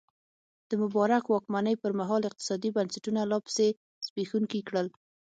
د مبارک واکمنۍ پرمهال اقتصادي بنسټونه لا پسې زبېښونکي کړل.